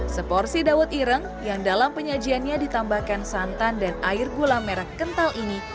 seporsi dawet ireng yang dalam penyajiannya ditambahkan santan dan air gula merah kental ini